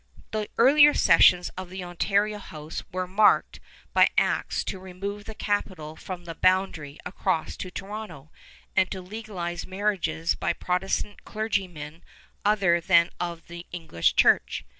The earliest sessions of the Ontario House were marked by acts to remove the capital from the boundary across to Toronto, and to legalize marriages by Protestant clergymen other than of the English church.